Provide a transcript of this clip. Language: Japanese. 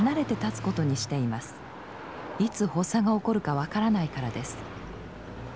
いつ発作が起こるか分からないからです。